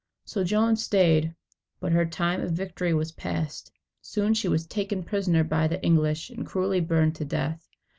So Joan stayed; but her time of victory was past. Soon, she was taken prisoner by the English, and cruelly burned to death.